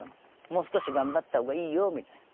もう少し頑張った方がいいよみたいな。